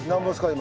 今。